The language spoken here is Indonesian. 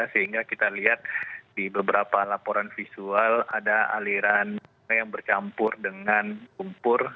sehingga kita lihat di beberapa laporan visual ada aliran sungai yang bercampur dengan lumpur